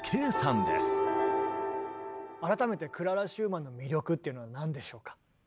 改めてクララ・シューマンの魅力っていうのはなんでしょうか？